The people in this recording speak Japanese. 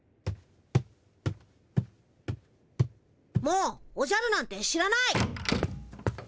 もうおじゃるなんて知らない！